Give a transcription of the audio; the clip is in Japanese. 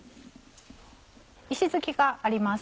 石突きがあります。